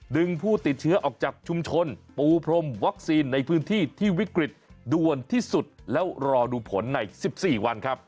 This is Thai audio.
ผู้ติดเชื้อออกจากชุมชนปูพรมวัคซีนในพื้นที่ที่วิกฤตด่วนที่สุดแล้วรอดูผลใน๑๔วันครับ